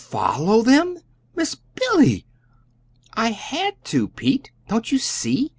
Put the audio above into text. "FOLLOW them! MISS BILLY!" "I had to, Pete; don't you see?